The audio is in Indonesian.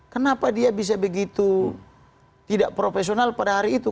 kenapa dia bisa begitu tidak profesional pada hari itu